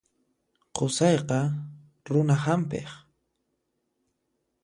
Qusayqa runa hampiq.